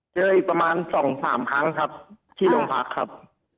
เจออีกประมาณสองสามครั้งครับที่โรงพยาบาลครับอ๋ออ๋ออ๋อ